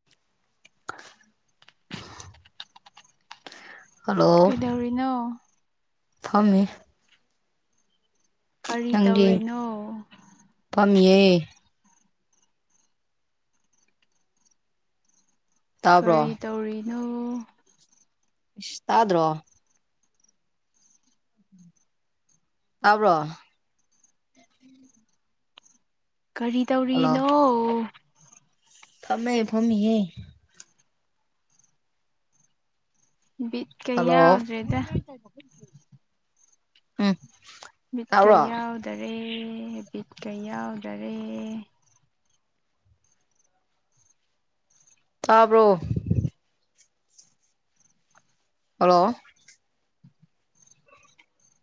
[unintelligible] hello ꯀꯩꯗꯧꯔꯤꯅꯣ ꯐꯝꯃꯤ ꯀꯔꯤ ꯇꯧꯔꯤꯅꯣ ꯀꯝꯩ ꯇꯥꯕ꯭ꯔꯣ ꯀꯔꯤ ꯇꯧꯔꯤꯅꯣ ꯏꯁꯗ꯭ꯔꯣ ꯇꯥꯕ꯭ꯔꯣ ꯀꯔꯤ ꯍꯜꯂꯣ ꯇꯧꯔꯤꯅꯣ ꯐꯝꯃꯦ ꯐꯝꯑꯦ ꯕꯤꯠ ꯀꯩ ꯍꯜꯂꯣ ꯌꯥꯎꯗ꯭ꯔꯦꯗ ꯎꯝ ꯃꯤꯠꯀꯩ ꯇꯥꯕ꯭ꯔꯣ ꯌꯥꯎꯗꯔꯦ ꯕꯤꯠꯀꯩ ꯌꯥꯎꯗꯔꯦ ꯇꯥꯕꯣ ꯍꯜꯂꯣ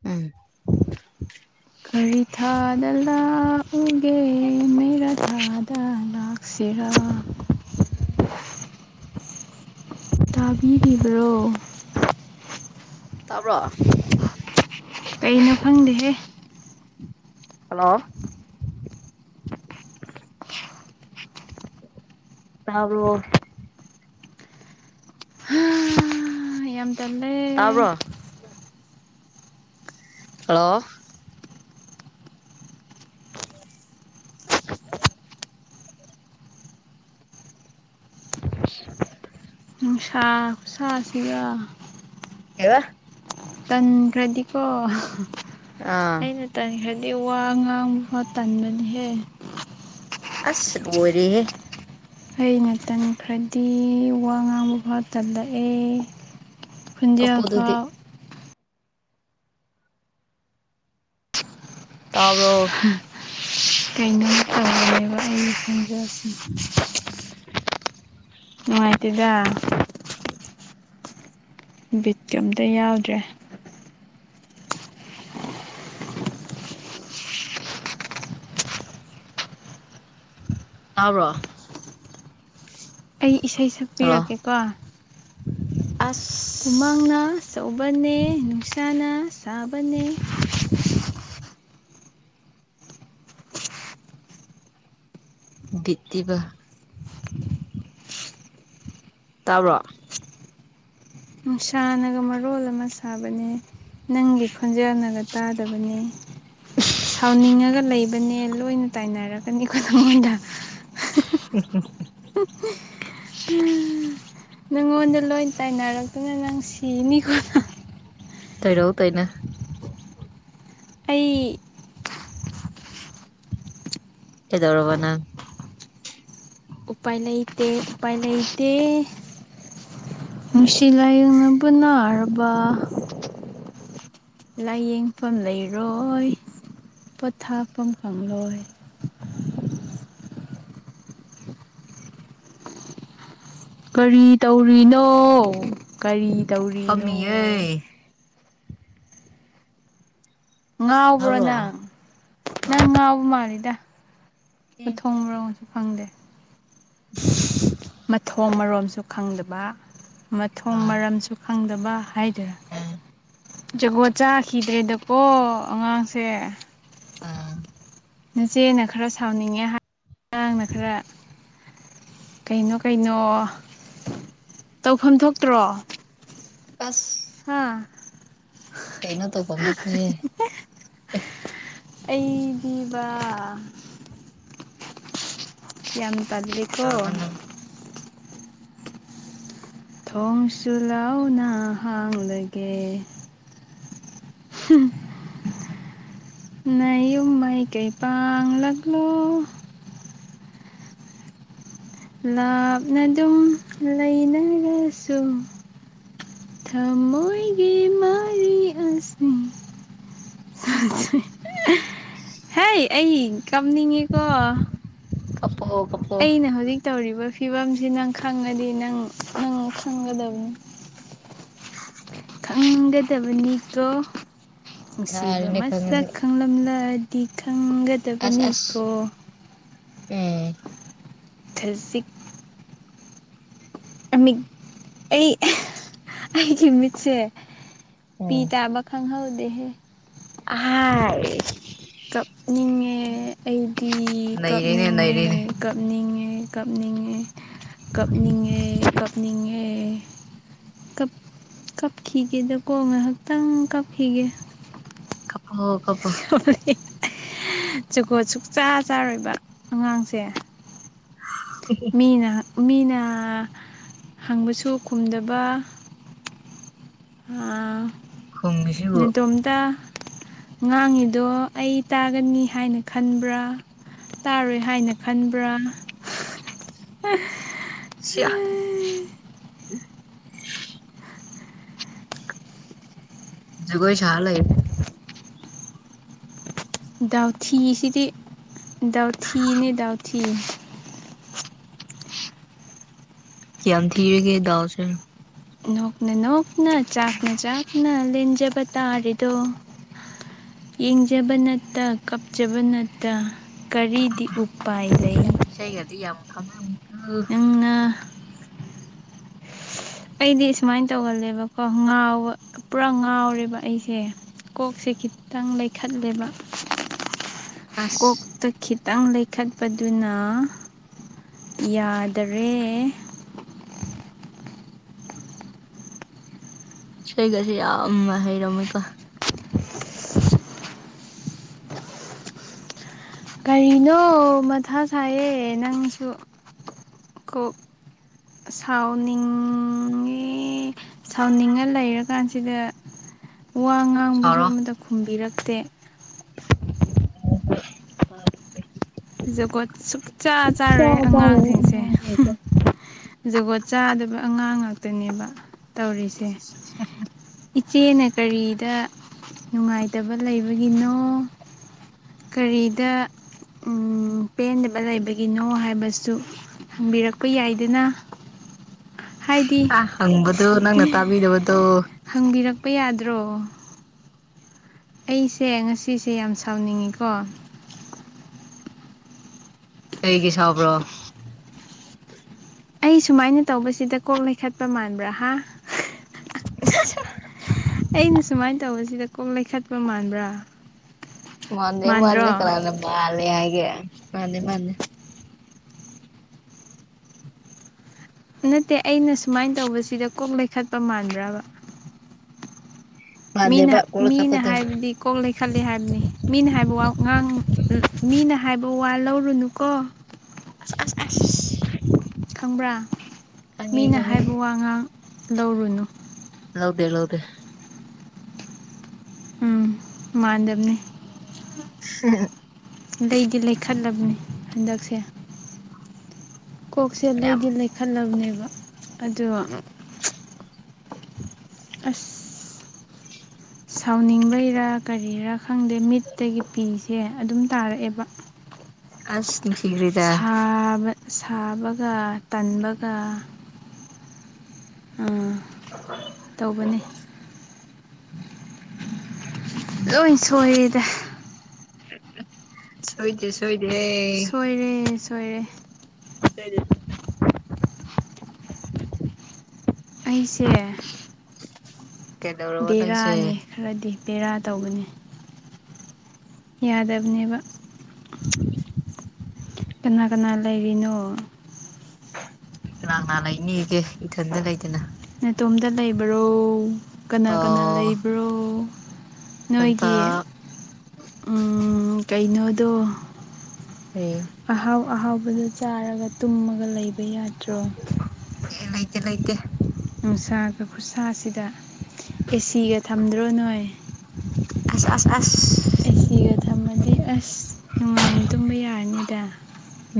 ꯎꯝ ꯀꯔꯤ ꯊꯥꯗ ꯂꯥꯛꯎꯒꯦ ꯃꯩꯔꯥ ꯊꯥꯗ ꯂꯥꯛ ꯁꯦꯔꯥ ꯇꯥꯕꯤꯔꯤꯕ꯭ꯔꯣ ꯇꯥꯕ꯭ꯔꯣ ꯀꯩꯅꯣ ꯈꯪꯗꯦꯍꯦ ꯍꯜꯂꯣ ꯇꯔꯣ ꯃ ꯌꯥꯝ ꯇꯜꯂꯦ ꯇꯥꯕ꯭ꯔꯣ ꯍꯜꯂꯣ [unintelligible] [inaudible] ꯅꯨꯡ ꯁꯥ ꯈꯨ ꯁꯥꯁꯤꯕ ꯍ ꯇꯟꯈ꯭ꯔꯗꯤꯀꯣ ꯑꯥ ꯑꯩꯅ ꯇꯟꯈ꯭ꯔꯗꯤ ꯋꯥ ꯉꯥꯡꯕ ꯈ ꯇꯟꯕꯗꯤꯍꯦ ꯑꯁ ꯂ ꯑꯣꯏꯔꯦ ꯑꯩꯅ ꯇꯟꯈ꯭ꯔꯗꯤ ꯋꯥ ꯉꯥꯡꯕ ꯐꯥꯎ ꯇꯜꯂꯛꯑꯦ ꯈ ꯈꯨꯟꯗꯤꯌꯥ ꯀꯞꯄꯗꯨꯗꯤ ꯐꯥꯎ ꯥꯎꯔꯣ ꯀꯩꯅꯣꯝ ꯇꯧꯔꯝꯅꯦꯕ ꯑꯩ ꯈꯟꯖꯁꯤ ꯅꯨꯡꯉꯥꯏꯇꯗ ꯕꯤꯠꯀꯤ ꯑꯝꯇ ꯌꯥꯎꯗ꯭ꯔꯦ ꯇꯥꯕ꯭ꯔꯣ ꯑꯩ ꯏꯁꯩ ꯍꯜꯂꯣ ꯁꯛꯄꯤꯔꯀꯦꯀꯣ ꯑꯁ ꯍꯃꯥꯡꯅ ꯑꯆꯧꯕꯅꯦ ꯅꯨꯡꯁꯥꯅ ꯁꯥꯕꯅꯦ ꯕꯤꯕ ꯇꯥꯕ꯭ꯔꯣ ꯅꯨꯡꯁꯥꯅꯒ ꯃꯔꯣꯜ ꯑꯃ ꯁꯥꯕꯅꯦ ꯅꯪꯗꯤ ꯈꯣꯟꯖꯦꯜꯅꯒ ꯇꯥꯗꯕꯅꯤ ꯁꯥꯎꯅꯤꯡꯉꯒ ꯂꯩꯕꯅꯦ ꯂꯣꯏꯅ ꯇꯥꯏꯅꯔꯛꯀꯅꯤ ꯈꯨꯗꯝ ꯑꯣꯏꯅ ꯎꯝ ꯎꯝ ꯎ ꯑ ꯅꯪꯉꯣꯟꯗ ꯂꯣꯏ ꯇꯥꯏꯅꯔꯛꯇꯨꯅ ꯅꯪ ꯁꯤꯅꯤꯀꯣ ꯇꯩꯔꯧ ꯇꯩꯅ ꯑꯩ ꯀꯗꯧꯔꯕ ꯅ ꯎꯄꯥꯏ ꯂꯩꯇ ꯎꯄꯥꯏ ꯂꯩꯇ ꯅꯨꯡꯁꯤ ꯂꯥꯏꯌꯦꯡꯅꯕꯨ ꯅꯥꯔꯕ ꯂꯥꯏꯌꯦꯡꯐꯝ ꯂꯩꯔꯣꯏ ꯄꯣꯊꯥꯐꯝ ꯐꯪꯂꯣꯏ ꯀꯔꯤ ꯇꯧꯔꯤꯅꯣ ꯀꯔꯤ ꯇꯧꯔꯤꯅꯣ ꯐꯝꯃꯤꯌꯦ ꯉꯥꯎꯕ꯭ꯔꯣ ꯇꯥꯕ꯭ꯔꯣ ꯅꯪ ꯅꯪ ꯉꯥꯎꯕ ꯃꯥꯜꯂꯤꯗ ꯑꯦ ꯃ ꯊꯣꯡꯕ꯭ꯔꯣ ꯐꯪꯗꯦ [unintelligible] ꯃꯊꯣꯡ ꯃꯔꯣꯝꯁꯨ ꯈꯪꯗꯕ ꯃꯊꯣꯡ ꯑꯥ ꯃꯔꯝꯁꯨ ꯈꯪꯗꯕ ꯍꯥꯏꯗꯔꯥ ꯑꯥ ꯖꯒꯣꯠ ꯆꯥꯈꯤꯗ꯭ꯔꯦꯗꯀꯣ ꯑꯉꯥꯡꯁꯦ ꯑꯥ ꯅꯆꯦꯅ ꯈꯔ ꯁꯥꯎꯅꯤꯡꯉꯦ ꯍꯥꯏ ꯑꯉꯥꯡꯅ ꯈꯔ ꯀꯩꯅꯣ ꯀꯩꯅꯣ ꯇꯧꯐꯝ ꯊꯣꯛꯇ꯭ꯔꯣ ꯑꯁ ꯍꯥꯥ ꯀꯩꯩꯅꫭ [unintelligible] ꯑꯩꯗꯤꯕ ꯭ꯌꯥꯝ ꯇꯜꯂꯤꯀꯣ ꯀꯩꯗꯧꯔꯕ ꯅꯪ ꯊꯣꯡꯁꯨ ꯂꯥꯎꯅ ꯍꯥꯡꯂꯒꯦ [unintelligible] ꯅꯌꯨꯝ ꯃꯥꯏꯀꯩ ꯄꯥꯡꯂꯛꯂꯣ ꯂꯥꯞꯅ ꯑꯗꯨꯝ ꯂꯩꯅꯔꯁꯨ ꯊꯃꯣꯏꯒꯤ ꯃꯔꯤ ꯑꯥꯁꯦ ꯍ ꯑꯩ ꯀꯝꯅꯤꯡꯉꯦꯀꯣ ꯀꯞ ꯍꯒ ꯑꯩꯅꯦ ꯍꯧꯖꯤꯛ ꯇꯧꯔꯤꯕ ꯐꯤꯕꯝꯁꯤ ꯅꯪ ꯈꯪꯉꯗꯤ ꯅꯪ ꯅꯪ ꯈꯪꯒꯗꯕꯅꯤ ꯈꯪꯒꯗꯕꯅꯤꯀꯣ ꯅꯨꯡꯁꯤꯕ ꯌꯥꯔꯦꯅꯦ ꯃꯁꯛ ꯈꯪꯉꯗꯤ ꯈꯪꯂꯝꯂ ꯇꯤꯈꯪꯒꯠ ꯑꯁ ꯑꯁ ꯎꯝ ꯊꯖꯤ [unintelligible] ꯑꯩ ꯑꯩꯒꯤ ꯃꯤꯠꯁꯦ ꯄꯤ ꯎꯝ ꯇꯥꯕ ꯈꯪꯍꯧꯗꯦꯍꯦ ꯑꯍꯥꯏ ꯀꯞꯅꯤꯡꯉꯦ ꯑꯩꯗꯤ ꯅꯩꯔꯦꯅꯦ ꯀꯞꯅꯤꯡꯉꯦ ꯅꯩꯔꯦꯅꯦ ꯀꯞꯅꯤꯡꯉꯦ ꯀꯞꯅꯤꯡꯉꯦ ꯀꯞꯅꯤꯡꯉꯦ ꯀꯞꯅꯤꯡꯉꯦ ꯀꯞ ꯀꯞꯈꯤꯒꯦꯗꯀꯣ ꯉꯥꯏꯍꯥꯛꯇꯪ ꯀꯞꯈꯤꯒꯦ ꯀꯞꯄꯣ ꯀꯞꯄꯣ [unintelligible] ꯖꯨꯒꯣꯠ ꯁꯨꯛꯆꯥ ꯆꯥꯔꯣꯏꯕ ꯑꯉꯥꯡꯁꯦ [unintelligible] ꯃꯤꯅ ꯃꯤꯅ ꯍꯪꯕꯁꯨ ꯈꯨꯝꯗꯕ ꯑꯥ ꯈꯨꯝꯃꯤꯁꯤꯕꯨ ꯅꯇꯣꯝꯇ ꯉꯥꯡꯉꯤꯗꯣ ꯑꯩ ꯇꯥꯒꯅꯤ ꯍꯥꯏꯅ ꯈꯟꯕ꯭ꯔꯥ ꯇꯥꯔꯣꯏ ꯍꯥꯏꯅ ꯈꯟꯕ꯭ꯔꯥ ꯁꯤꯌꯥ ꯖꯒꯣꯏ ꯁꯥꯔ ꯂꯩꯌꯨ ꯗꯥꯎꯊꯤꯁꯤꯗꯤ ꯗꯥꯎꯊꯤꯅꯦ ꯗꯥꯎꯊꯤ ꯀꯌꯥꯝ ꯊꯤꯔꯤꯒꯦ ꯗꯥꯎꯁꯦ ꯅꯣꯛꯅ ꯅꯣꯛꯅ ꯆꯥꯛꯥꯛ ꯅ ꯆꯥꯛꯅ ꯂꯟꯖꯕꯇꯥꯔꯦꯗꫭ ꯌꯦꯡꯖꯕ ꯅꯠꯇ ꯀꯞꯆꯕ ꯅꯠꯇ ꯀꯔꯤꯗꯤ ꯎꯄꯥꯏ ꯂꯩ ꯏꯁꯩ ꯒꯥꯗꯤ ꯌꯥꯝ ꯈꯪꯉꯝꯃꯤꯀꫭ ꯅꯪꯅ ꯑꯩꯗꯤ ꯁꯨꯃꯥꯏꯅ ꯇꯧꯒꯜꯂꯦꯕꯀꯣ ꯉꯥꯎꯕ ꯄꯨꯔꯥ ꯉꯥꯎꯔꯦꯕ ꯑꯩꯁꯦ ꯀꯣꯛꯁꯦ ꯈꯤꯇꯪ ꯂꯩꯈꯠꯂꯦꯕ ꯑꯁ ꯀꯣꯛꯇ ꯈꯤꯇꯪ ꯂꯩꯈꯠꯄꯗꯨꯅ ꯌꯥꯗꯔꯦ [unintelligible] ꯁꯣꯏꯒꯁꯦ ꯌꯥꯝ ꯍꯩꯔꯝꯃꯦꯀꯣ ꯀꯔꯤꯅꯣ ꯃꯊꯥ ꯁꯥꯏꯌꯦ ꯅꯪꯁꯨ ꯀꯣꯛ ꯁꯥꯎꯅꯤꯡꯉꯤ ꯁꯥꯎꯅꯤꯡꯉ ꯂꯩꯔꯀꯥꯟꯁꯤꯗ ꯋꯥ ꯉꯥꯡꯕꯁꯨ ꯁꯥꯎꯔꯣ ꯑꯃꯇ ꯈꯨꯝꯕꯤꯔꯛꯇꯦ ꯖꯒꯣꯠ ꯁꯨꯡꯛꯆꯥ ꯆꯥꯔꯣꯏ ꯑꯉꯥꯡꯁꯤꯡꯁꯦ ꯖꯒꯣꯠ ꯆꯥꯗꯕ ꯑꯉꯥꯡ ꯉꯥꯛꯇꯅꯦꯕ ꯇꯧꯔꯤꯁꯦ ꯏꯆꯦꯅ ꯀꯔꯤꯗ ꯅꯨꯡꯉꯥꯏꯇꯕ ꯂꯩꯕꯒꯤꯅꯣ ꯀꯔꯤꯗ ꯎꯝ ꯄꯦꯟꯗꯕ ꯂꯩꯕꯒꯤ ꯅꯣ ꯍꯥꯏꯕꯁꯨ ꯍꯪꯕꯤꯔꯛꯄ ꯌꯥꯏꯗꯅ ꯍꯥꯏꯗꯤ ꯑ ꯍꯪꯕꯗꯨ ꯅꯪꯅ ꯇꯥꯕꯤꯗꯕꯗꯨ ꯍꯪꯕꯤꯔꯛꯄ ꯌꯥꯗ꯭ꯔꯣ ꯑꯩꯁꯦ ꯉꯁꯤꯁꯦ ꯌꯥꯝ ꯁꯥꯎꯅꯤꯡꯉꯤꯀꯣ ꯀꯩꯒꯤ ꯁꯥꯎꯕ꯭ꯔꯣ ꯑꯩ ꯁꯨꯃꯥꯏꯅ ꯇꯧꯕꯁꯤꯗ ꯀꯣꯛ ꯂꯩꯈꯠꯄ ꯃꯥꯟꯕ꯭ꯔꯥꯍ ꯑꯩꯅ ꯁꯨꯃꯥꯏꯅ ꯇꯧꯕꯁꯤꯗ ꯀꯣꯛ ꯂꯩꯈꯠꯄ ꯃꯥꯟꯕ꯭ꯔꯥ ꯃꯅꯦ ꯃꯅꯦ ꯃꯥꯟꯗ꯭ꯔꯣ ꯀꯅꯥꯅ ꯃꯥꯂ ꯍꯥꯏ ꯒꯦ ꯃꯅꯦ ꯃꯅꯦ ꯅꯠꯇꯦ ꯑꯩꯅ ꯁꯨꯃꯥꯏꯅ ꯇꯧꯕꯁꯤꯗ ꯀꯣꯛ ꯂꯩꯈꯠꯄ ꯃꯥꯟꯕ꯭ꯔꯥꯕ ꯃꯤꯅ ꯃꯥꯟꯗꯦꯕ ꯃꯤꯅ ꯀꯣꯜꯀꯇꯥꯗꯣ ꯍꯥꯏꯕꯗꯤ ꯀꯣꯛ ꯂꯩꯈꯠꯂꯦ ꯍꯥꯏꯕꯅꯤ ꯃꯤꯅ ꯍꯥꯏꯕ ꯋꯥ ꯉꯥꯡ ꯃꯤꯅ ꯍꯥꯏꯕ ꯋꯥ ꯂꯧꯔꯨꯅꯨꯀꯣ ꯑꯁ ꯑꯁ ꯑꯁ ꯈꯪꯕ꯭ꯔꯥ ꯃꯤꯅ ꯈꯪꯉꯦ ꯍꯥꯏꯕ ꯋꯥꯉꯥꯡ ꯂꯧꯔꯨꯅꯨ ꯂꯧꯗꯦ ꯂꯧꯗꯦ ꯎꯝ ꯃꯥꯟꯗꯕꯅꯦ ꯎ [unintelligible] ꯂꯩꯗꯤ ꯂꯩꯈꯠꯂꯕꯅꯤ ꯍꯟꯗꯛꯁꯦ ꯀꯣꯛꯁꯦ ꯂꯩꯗꯤ ꯌꯥꯝ ꯂꯩꯈꯠꯂꯕꯅꯦꯕ ꯑꯗꯣ ꯑꯁ ꯁꯥꯎꯅꯤꯡꯕꯩꯔꯥ ꯀꯔꯤꯔꯥ ꯈꯪꯗꯦ ꯃꯤꯠꯇꯒꯤ ꯄꯤꯁꯦ ꯑꯗꯨꯝ ꯇꯥꯔꯛꯑꯦꯕ ꯑꯁ ꯅꯨꯡꯁꯤꯒ꯭ꯔꯦ ꯕ ꯁꯥꯕꯒ ꯇꯟꯕꯒ ꯎꯝ ꯇꯧꯕꯅꯤ ꯂꯣꯏꯟ ꯁꯣꯏꯔꯦꯗ ꯁꯣꯏꯗꯦ ꯁꯣꯏꯗꯦ ꯁꯣꯏꯔꯦ ꯁꯣꯏꯔꯦ [unintelligible] ꯑꯩꯁꯦ [unintelligible] ꯅꯪꯁꯦ ꯕꯦꯔꯥꯅꯦ ꯈꯔꯗꯤ ꯕꯦꯔꯥ ꯇꯧꯕꯅꯤ ꯌꯥꯗꯕꯅꯦꯕ [unintelligible] ꯀꯅꯥ ꯀꯅꯥ ꯂꯩꯔꯤꯅꯣ ꯀꯅꯥ ꯀꯅꯥ ꯂꯩꯅꯤꯒꯦ ꯏꯊꯟꯗ ꯂꯩꯗꯅ ꯅꯦꯇꯣꯝꯗ ꯂꯩꯕ꯭ꯔꯣ ꯀꯅꯥ ꯀꯅꯥ ꯑꯣ ꯂꯩꯕ꯭ꯔꯣ ꯏꯊꯟꯇ ꯅꯣꯏꯒꯤ ꯎꯝ ꯀꯩꯅꯣꯗꯣ ꯎꯝ ꯑꯍꯥꯎ ꯑꯍꯥꯎꯕꯗ ꯆꯥꯔꯒ ꯇꯨꯝꯃꯒ ꯂꯩꯕ ꯌꯥꯗ꯭ꯔꯣ ꯂꯩꯇꯦ ꯂꯩꯇꯦ ꯅꯨꯡꯁꯥꯒ ꯈꯨꯠꯁꯥꯁꯤꯗ ꯑꯦꯁꯤꯒ ꯊꯝꯗ꯭ꯔꯣ ꯅꯣꯏ ꯑꯁ ꯑꯁ ꯑꯁ ꯑꯦꯁꯤꯒ ꯊꯝꯃꯗꯤ ꯑꯁ ꯅꯨꯡꯉꯥꯏꯅ ꯇꯨꯝꯕ ꯌꯥꯔꯅꯤꯗ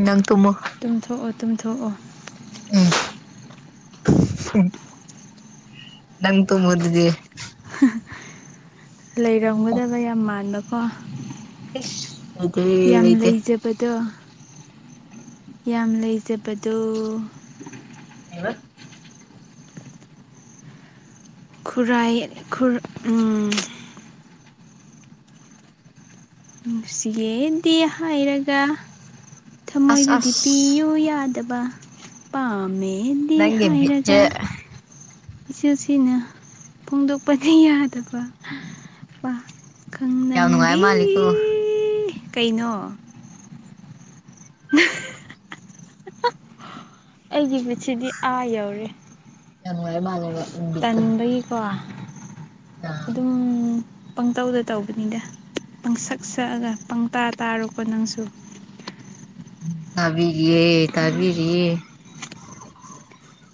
ꯅꯪ ꯇꯨꯃ ꯇꯨꯝꯊꯣꯛꯑꯣ ꯇꯨꯝꯊꯣꯛꯑꯣ ꯎꯝ ꯎ [unintelligible] ꯅꯪ ꯇꯣꯃꯗꯗꯤꯦ ꯍꯥ ꯍꯥ ꯂꯩꯔꯝꯒꯗꯕ ꯌꯥꯝ ꯃꯥꯟꯕꯀꯣ ꯌꯥꯝ ꯂꯩꯇꯦ ꯂꯩꯇꯦ ꯂꯩꯖꯕꯗꯣ ꯌꯥꯝ ꯂꯩꯖꯕꯗꯣ ꯍ [unintelligible] ꯈꯨꯔꯥꯏꯔ ꯎ ꯅꯨꯡꯁꯤꯌꯦꯗꯤ ꯍꯥꯏꯔꯒ ꯑꯁ ꯊꯃꯣꯏꯗꯨꯗꯤ ꯑꯁ ꯄꯤꯌꯨ ꯌꯥꯗꯕ ꯄꯥꯝꯃꯦꯗꯤ ꯅꯪꯒꯤ ꯍꯥꯏꯔꯒ ꯕꯤꯠꯁꯦ ꯏꯆꯤꯜꯁꯤꯅ ꯐꯣꯡꯗꯣꯛꯄꯗꯤ ꯌꯥꯗꯕ ꯄꯥ ꯈꯪ ꯌꯥꯝ ꯅꯨꯡꯉꯥꯏ ꯅꯪꯗꯤ ꯃꯥꯜꯂꯤꯀꯣ ꯀꯩꯅꯣ [unintelligible] ꯑꯩꯒꯤ ꯃꯤꯠꯁꯤꯗꯤ ꯑꯥ ꯌꯧꯔꯦ ꯌꯥꯝ ꯅꯨꯡꯉꯥꯏ ꯃꯥꯜꯂꯦꯕ ꯅꯨꯃꯤꯠꯇꯣ ꯇꯟꯕꯒꯤꯀꯣ ꯑꯥ ꯑꯗꯨꯝ ꯄꯪꯇꯧꯗ ꯇꯧꯕꯅꯤꯗ ꯄꯪꯁꯛ ꯁꯛꯑꯒ ꯄꯪꯇꯥ ꯇꯥꯔꯣꯀꯣ ꯅꯪꯁꯨ ꯇꯥꯕꯤꯔꯤꯌꯦ ꯇꯥꯕꯤꯔꯤꯌꯦ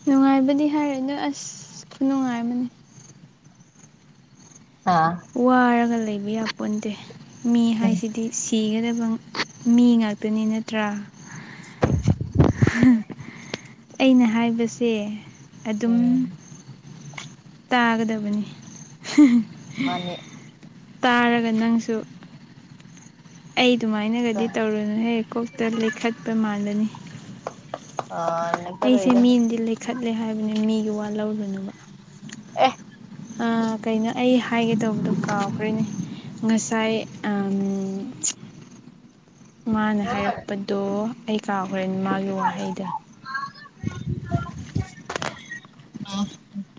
ꯅꯨꯡꯉꯥꯏꯕꯗꯤ ꯍꯥꯏꯔꯗꯣꯏ ꯑꯁ ꯈꯨꯅꯨꯡꯉꯥꯏꯑꯃꯅꯤ ꯑꯥ ꯋꯥꯔꯒ ꯂꯩꯕ ꯌꯥꯄꯣꯟꯟꯗꯦ ꯃꯤ ꯎꯝ ꯍꯥꯏꯁꯤꯗꯤ ꯁꯤꯒꯗꯕ ꯃꯤ ꯉꯥꯛꯇꯅꯤ ꯅꯠꯇ꯭ꯔꯥ ꯑꯩꯅ ꯍꯥꯏꯕꯁꯦ ꯑꯗꯨꯝ ꯎꯝ ꯇꯥꯒꯗꯕꯅꯤ ꯃꯥꯅꯦ ꯇꯥꯔꯒ ꯅꯪꯁꯨ ꯑꯩ ꯑꯗꯨꯃꯥꯏꯅꯒꯗꯤ ꯇꯧꯔꯨꯅꯨ ꯍꯦ ꯀꯣꯛꯇ ꯂꯩꯈꯠꯄ ꯃꯥꯜꯂꯅꯤ ꯑꯥꯏ ꯑꯩꯁꯦ ꯃꯤꯅꯗꯤ ꯂꯩꯈꯠꯂꯦ ꯍꯥꯏꯕꯅꯦ ꯃꯤꯒꯤ ꯋꯥ ꯂꯧꯔꯨꯅꯨꯕ ꯑꯦ ꯑ ꯀꯩꯅꯣ ꯑꯩ ꯍꯥꯏꯒꯦ ꯇꯧꯕꯗꯣ ꯀꯥꯎꯈ꯭ꯔꯦꯅꯦ ꯉꯁꯥꯏ ꯃꯥꯅ ꯍꯥꯏꯔꯛꯄꯗꯣ ꯑꯩ ꯀꯥꯎꯒ꯭ꯔꯦ ꯃꯥꯒꯤ ꯋꯥꯍꯩꯗ [unintelligible]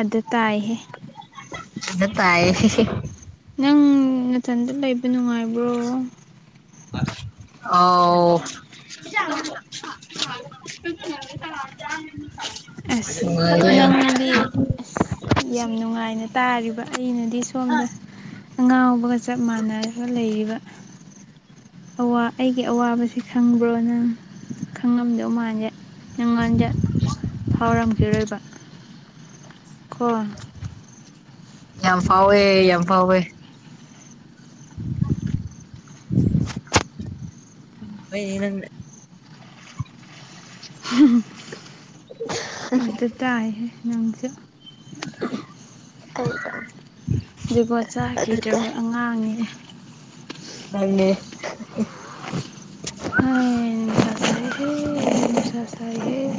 ꯑꯗ ꯇꯥꯏꯍꯦ ꯑꯗ ꯇꯥꯏꯍꯦ ꯍꯦ ꯍꯦ ꯅꯪ ꯃꯊꯟꯗ ꯂꯩꯕ ꯅꯨꯡꯉꯥꯏꯕ꯭ꯔꯣ ꯑꯧ ꯑꯁ ꯅꯨꯉꯥꯏꯌꯦ ꯅꯪꯗꯤ ꯑꯁ ꯌꯥꯝ ꯅꯨꯡꯉꯥꯏꯅ ꯇꯥꯔꯤꯕ ꯑꯩꯅꯗꯤ ꯁꯣꯝꯗ ꯑꯉꯥꯎꯕꯒ ꯆꯞ ꯃꯥꯟꯅꯔꯒ ꯂꯩꯔꯤꯕ ꯑꯋꯥꯕꯁꯤ ꯑꯩꯒꯤ ꯑꯋꯥꯕꯁꯤ ꯈꯪꯕ꯭ꯔꯣ ꯅꯪ ꯈꯪꯉꯝꯗꯧ ꯃꯥꯜꯗꯦ ꯅꯪꯉꯣꯟꯗ ꯐꯥꯎꯔꯝꯈꯤꯔꯣꯏꯕ ꯈꯣ ꯌꯥꯝ ꯐꯥꯎꯋꯦ ꯌꯥꯝ ꯐꯥꯎꯋꯦ [unintelligible] ꯑꯗꯗ ꯇꯥꯏꯍꯦ ꯅꯪꯖꯨ [unintelligible] ꯑꯗꯨ ꯇꯥꯏ ꯖꯨꯒꯣꯠꯆꯥꯈꯤꯗ꯭ꯔꯕ ꯑꯉꯥꯡꯅꯤꯅꯦ ꯅꯪꯅꯦ ꯍꯩ ꯅꯨꯡꯁꯥ ꯁꯥꯏꯍꯦ ꯅꯨꯡꯁꯥ ꯁꯥꯏꯍꯦ